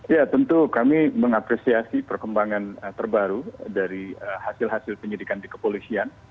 ya tentu kami mengapresiasi perkembangan terbaru dari hasil hasil penyidikan di kepolisian